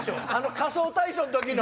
『仮装大賞』の時の！